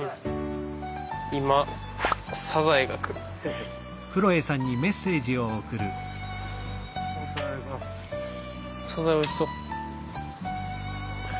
サザエおいしそう。